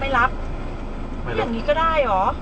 ไม่รับตัวอย่างงี้ก็ได้อ๋อ